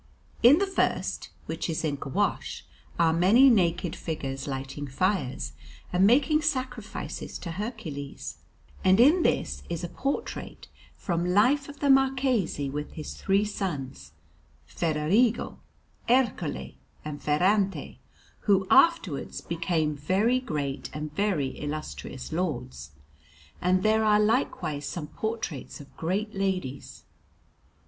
In the first, which is in gouache, are many naked figures lighting fires and making sacrifices to Hercules; and in this is a portrait from life of the Marquis, with his three sons, Federigo, Ercole, and Ferrante, who afterwards became very great and very illustrious lords; and there are likewise some portraits of great ladies.